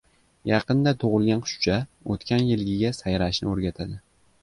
• Yaqinda tug‘ilgan qushcha o‘tgan yilgiga sayrashni o‘rgatadi.